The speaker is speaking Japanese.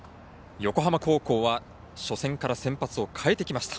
横浜高校は初戦から先発を変えてきました。